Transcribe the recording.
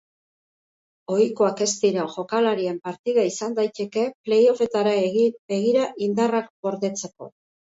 Ohikoak ez diren jokalarien partida izan daiteke, play offetara begira indarrak gordetzeko.